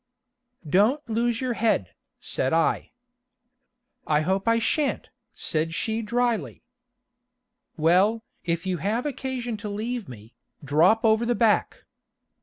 "Don't lose your head," said I. "I hope I shan't," said she dryly. "Well, if you have occasion to leave me, drop over the back.